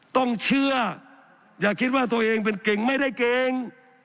ต้องเชื่ออย่าคิดว่าตัวเองเป็นเก่งไม่ได้เก่ง